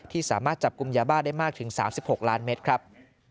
สามารถจับกลุ่มยาบ้าได้มากถึง๓๖ล้านเมตรครับ